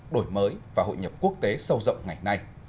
đổi mới và hội nhập quốc tế sâu rộng ngày nay